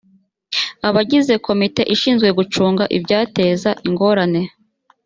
abagize komite ishinzwe gucunga ibyateza ingorane